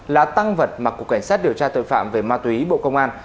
là tăng vật mà cục cảnh sát điều tra tội phạm về ma túy bộ công an